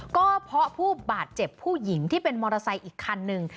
ก็เพราะผู้บาดเจ็บผู้หญิงที่เป็นมอเตอร์ไซค์อีกคันหนึ่ง